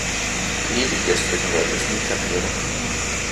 Die Ewiggestrigen werden es nie kapieren.